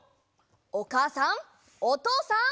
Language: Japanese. おかあさんおとうさん。